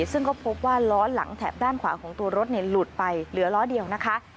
ซึ่งก็พบว่าล้อหลังแถบด้านขวาของตัวรถหลุดไปเหลือล้อเดียวนะคะ